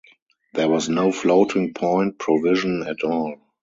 There was no floating point provision at all.